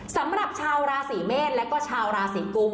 สำหรับชาวราศีเมษและก็ชาวราศีกุม